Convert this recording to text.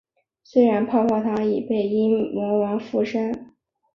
显然泡泡糖已被阴魔王附身。